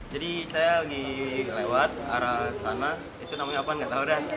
jadi saya lagi lewat arah sana itu namanya apaan gak tau deh